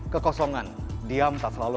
kekosongan diam tak selalu